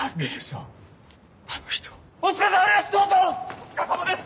お疲れさまです！